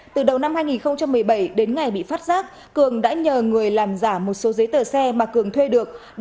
từ đầu năm hai nghìn một mươi bảy đến ngày bị phát giác cường đã nhờ người làm giả một số giấy tờ xe mà cường thuê được